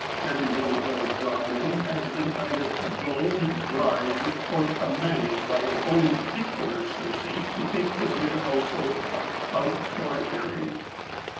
Every one of those dogmen has been either cajoled, bribed, or commanded by his own particular Circe to take the dear household pet out for an airing.